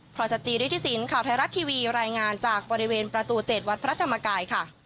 พระอาจารย์จีริทธิสินทร์ข่าวไทยรัฐทีวีรายงานจากบริเวณประตูเจ็ดวัดพระธรรมกายค่ะ